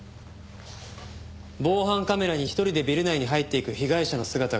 防犯カメラに１人でビル内に入っていく被害者の姿が映っていました。